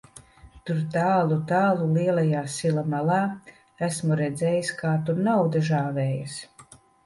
Tur tālu, tālu lielajā sila malā, esmu redzējis, kā tur nauda žāvējas.